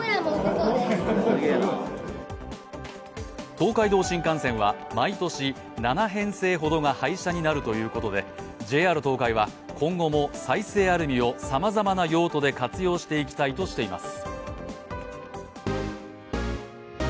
東海道新幹線は毎年７編成ほどが廃車になるということでＪＲ東海は今後も再生アルミをさまざまな用途で活用していきたいとしています。